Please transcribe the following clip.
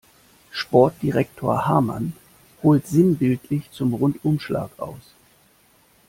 Sportdirektor Hamann holt sinnbildlich zum Rundumschlag aus.